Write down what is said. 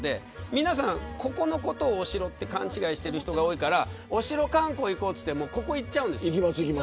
皆さん、ここをお城と勘違いしている人が多いからお城観光行こうと言ってもここに行っちゃうんです。